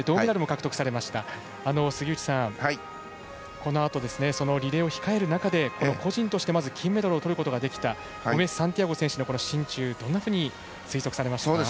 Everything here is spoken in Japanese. このあと、リレーを控える中でこの個人として金メダルをとることができたゴメスサンティアゴ選手の心中どんなふうに推測されますか。